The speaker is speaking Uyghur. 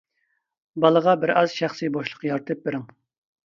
بالىغا بىرئاز شەخسىي بوشلۇق يارىتىپ بېرىڭ.